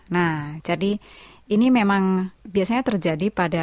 nah jadi ini memang biasanya terjadi pada